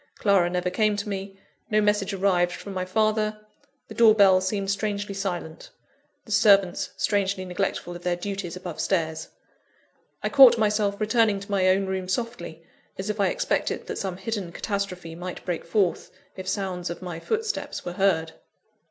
Clara never came to me, no message arrived from my father; the door bell seemed strangely silent, the servants strangely neglectful of their duties above stairs. I caught myself returning to my own room softly, as if I expected that some hidden catastrophe might break forth, if sound of my footsteps were heard.